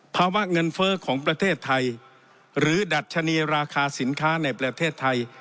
ภาวะเงินเฟ้อของประเทศไทยหรือดัชนีราคาสินค้าในประเทศไทย